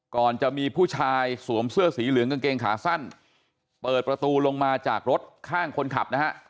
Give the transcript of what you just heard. ก่อนจะมีผู้ชายสวมเสื้อสีเหลืองกางเกงขาสั้นเปิดประตูลงมาจากรถข้างคนขับนะฮะ